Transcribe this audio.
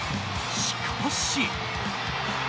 しかし。